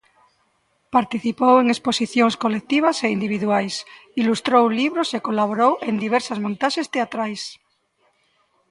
Participou en exposicións colectivas e individuais, ilustrou libros e colaborou en diversas montaxes teatrais.